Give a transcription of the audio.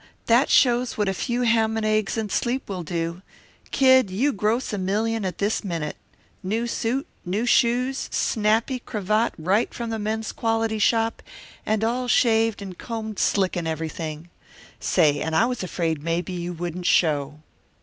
That shows what a few ham and eggs and sleep will do. Kid, you gross a million at this minute. New suit, new shoes, snappy cravat right from the Men's Quality Shop, and all shaved and combed slick and everything! Say and I was afraid maybe you wouldn't show."